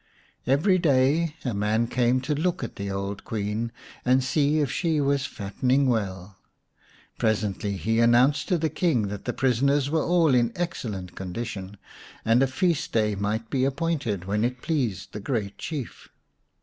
Every day a man came to look at the old Queen and see if she was fattening well. Presently he announced to the King that the prisoners were all in excellent condition, and a feast day might be appointed when it pleased the great Chief.